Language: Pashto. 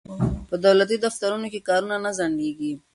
په دولتي دفترونو کې کارونه نه ځنډیږي.